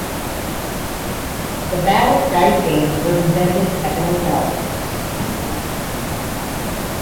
The balut dice game was invented at the hotel.